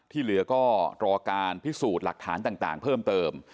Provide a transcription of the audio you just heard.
ที่เหลือก็รอการพิสูจน์หลักฐานต่างเพิ่มเติม